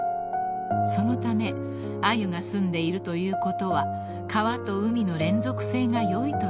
［そのためアユがすんでいるということは川と海の連続性が良いという証し］